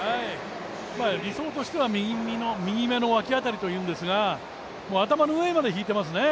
理想としては右めの脇辺りというんですが頭の上まで引いてますね。